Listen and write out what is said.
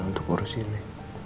untuk urus ini